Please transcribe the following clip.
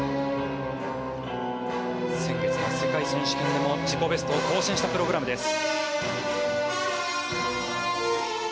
先月は世界選手権でも自己ベストを更新したプログラムです。